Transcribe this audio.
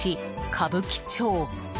歌舞伎町。